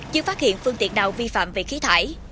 chưa phát hiện phương tiện nào vi phạm về khí thải